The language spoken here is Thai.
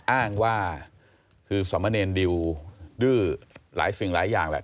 อ้างว่าคือสมเนรดิวดื้อหลายสิ่งหลายอย่างแหละ